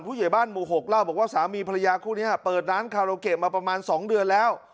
ผู้ใหญ่บ้านหมู่๖เล่าบอกว่าสามีภรรยาคู่นี้เปิดร้านคาราโอเกะมาประมาณ๒เดือนแล้ว